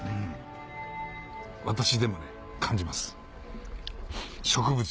私でもね感じます。